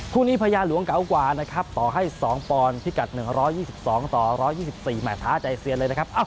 พรุ่งนี้พญาหลวงเกาะกวานะครับต่อให้สองปอนพิกัด๑๒๒ต่อ๑๒๔หมายท้าใจเซียนเลยนะครับ